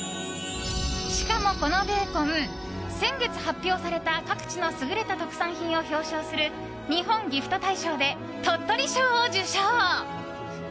しかもこのベーコン先月発表された各地の優れた特産品を表彰する日本ギフト大賞で鳥取賞を受賞。